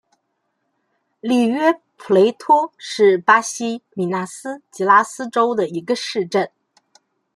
里约普雷托是巴西米纳斯吉拉斯州的一个市镇。